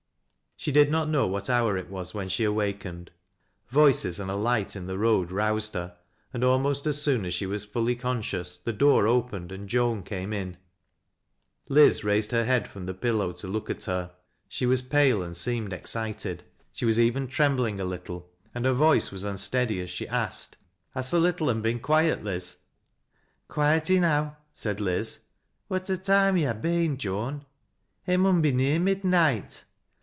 She did not know what hour it was when she awakened; foices and a light in the road, roused her, and almost as soon as she was fully conscious, the door opened and Joan came in. Liz raised h«r head from the pillow to look af her. She was pale and seemed excited. She was evei trembling a little, and her voice was unsteady as she asked RIBBONS. 138 " Has th' little un been quiet, Liz ?"■' Quiet enow," said Liz. " What a toime yo' ha' beeCj J an ! It raun be near midneet.